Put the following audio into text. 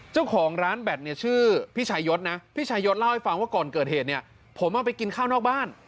เจ้าของร้านแบตเนี่ยชื่อพี่ชายศนะพี่ชายศเล่าให้ฟังว่าก่อนเกิดเหตุเนี่ยผมเอาไปกินข้าวนอกบ้าน